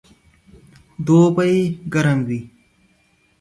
دوبئ ګرم وي